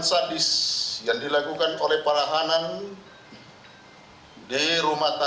sebenarnya ini adalah hal yang sangat penting untuk kita menjelaskan